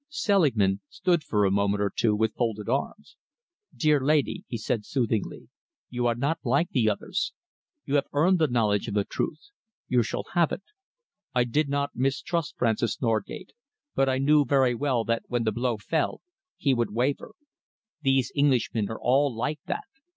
Selingman stood for a moment or two with folded arms. "Dear lady," he said soothingly, "you are not like the others. You have earned the knowledge of the truth. You shall have it. I did not mistrust Francis Norgate, but I knew very well that when the blow fell, he would waver. These Englishmen are all like that.